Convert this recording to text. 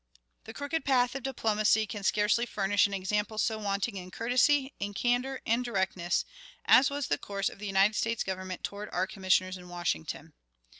"The crooked path of diplomacy can scarcely furnish an example so wanting in courtesy, in candor, and directness, as was the course of the United States Government toward our Commissioners in Washington.